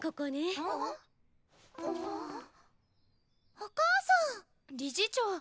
お母さん！理事長。